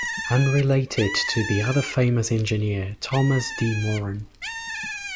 Unrelated to the other famous engineer, Thomas D. Moran.